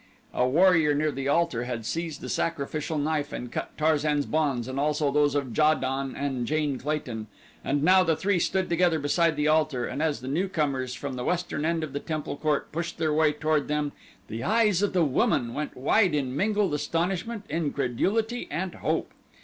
A warrior near the altar had seized the sacrificial knife and cut Tarzan's bonds and also those of Ja don and Jane Clayton, and now the three stood together beside the altar and as the newcomers from the western end of the temple court pushed their way toward them the eyes of the woman went wide in mingled astonishment, incredulity, and hope.